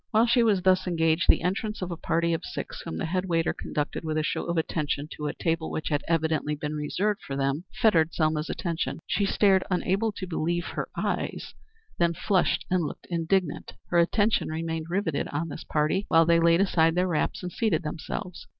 While she was thus engaged the entrance of a party of six, whom the head waiter conducted with a show of attention to a table which had evidently been reserved for them, fettered Selma's attention. She stared unable to believe her eyes, then flushed and looked indignant. Her attention remained rivetted on this party while they laid aside their wraps and seated themselves.